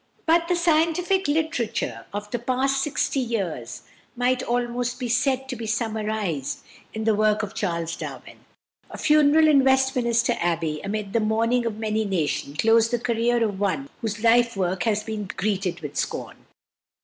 But the scientific literature of the past sixty years might almost be said to be summarised in the work of =Charles Darwin (1809 1882)=. A funeral in Westminster Abbey, amid the mourning of many nations, closed the career of one whose life work had often been greeted with scorn.